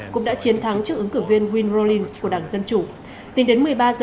cũng đã chiến thắng trước ứng cử viên wynne rawlings của đảng dân chủ tính đến một mươi ba giờ